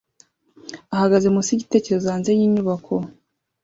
ahagaze munsi yigitereko hanze yinyubako